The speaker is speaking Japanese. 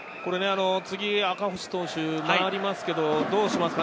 赤星投手に次は回りますけれど、どうしますか？